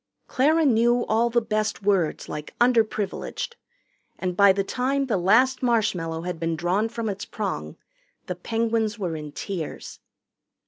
Clara knew all the best words like "underprivileged," and by the time the last marshmallow had been drawn from its prong the Penguins were in tears.